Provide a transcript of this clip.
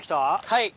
はい。